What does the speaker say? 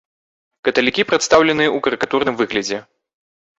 Каталікі прадстаўлены ў карыкатурным выглядзе.